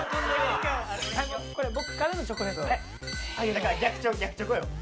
だから逆チョコよ。